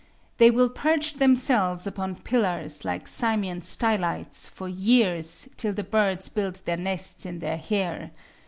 They will perch themselves upon pillars like Simeon Stylites, for years, till the birds build their nests in their hair.